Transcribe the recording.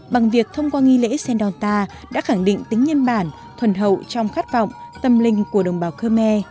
bằng việc thông qua nghi lễ sèn đôn ta đã khẳng định tính nhân bản thuần hậu trong khát vọng tâm linh của đồng bào khơ me